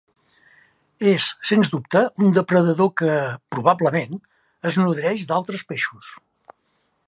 És, sens dubte, un depredador que, probablement, es nodreix d'altres peixos.